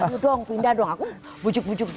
aduh dong pindah dong aku bujuk bujuk